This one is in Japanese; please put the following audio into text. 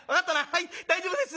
「はい大丈夫です。